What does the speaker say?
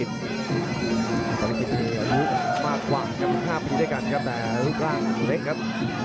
พลาดเอกมีอาวุธมากกว่าครับ๕ปีด้วยกันครับแต่ลูกร่างเล็กครับ